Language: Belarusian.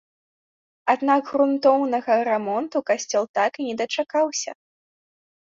Аднак грунтоўнага рамонту касцёл так і не дачакаўся.